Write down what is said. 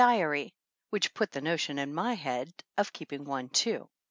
diary, which put the notion into my head of keeping one too.